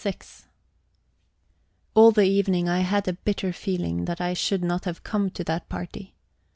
XXVI All the evening I had a bitter feeling that I should not have come to that party.